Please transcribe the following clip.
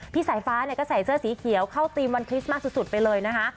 สายฟ้าเนี่ยก็ใส่เสื้อสีเขียวเข้าธีมวันคริสต์มากสุดไปเลยนะคะ